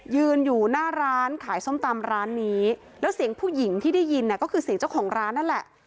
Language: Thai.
ยืนอยู่หน้าร้านขายส้มตำร้านนี้แล้วเสียงผู้หญิงที่ได้ยินเนี่ยก็คือเสียงเจ้าของร้านนั่นแหละ